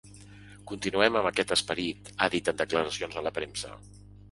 Continuem amb aquest esperit, ha dit en declaracions a la premsa.